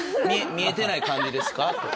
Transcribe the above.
「見えてない感じですか？」とかを。